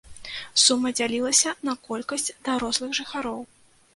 Сума дзялілася на колькасць дарослых жыхароў.